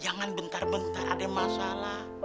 jangan bentar bentar ada masalah